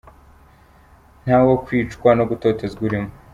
Nta wo kwicwa no gutotezwa urimo.